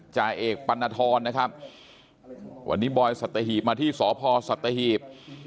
จ่าเอกปัณฑรนะครับวันนี้บอยสัตหีบมาที่สพสัตหีบ